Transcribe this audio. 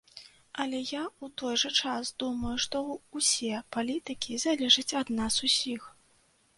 Але я ў той жа час думаю, што ўсе палітыкі залежаць ад нас усіх.